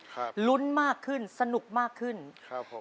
ครับลุ้นมากขึ้นสนุกมากขึ้นครับผม